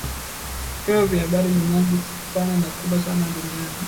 vyombo vya habari ni nyanja pana na kubwa sana duniani